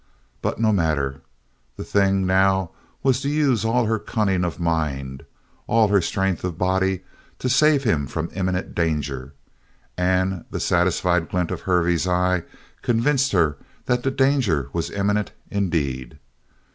But no matter. The thing now was to use all her cunning of mind, all her strength of body, to save him from imminent danger; and the satisfied glint of Hervey's eye convinced her that the danger was imminent indeed.